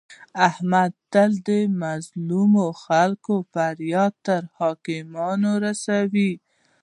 احمد تل د مظلمو خلکو فریاد تر حاکمانو رسوي.